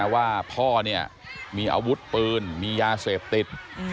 ว่าพ่อเนี่ยมีอาวุธปืนมียาเสพติด